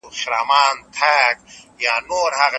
ذهني آرامتیا د کار په کیفیت اغېز کوي.